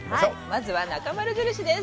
まずは、なかまる印です。